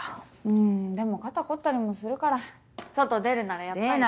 うんでも肩凝ったりもするから外出るならやっぱり。